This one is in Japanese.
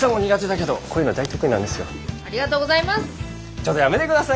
ちょっとやめて下さいよ。